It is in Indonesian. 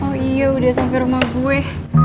oh iya udah sampai rumah gue